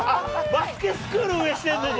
バスケスクール運営してるの？